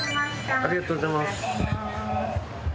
ありがとうございます。